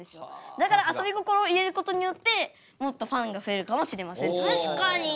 だからあそび心を入れることによってもっとファンが増えるかもしれません。